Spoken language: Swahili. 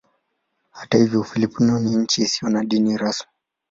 Hata hivyo Ufilipino ni nchi isiyo na dini rasmi.